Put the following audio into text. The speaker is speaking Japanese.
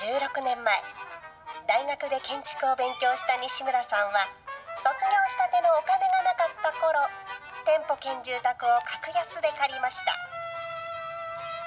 １６年前、大学で建築を勉強した西村さんは、卒業したてのお金がなかったころ、店舗兼住宅を格安で借りました。